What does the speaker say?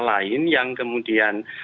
lain yang kemudian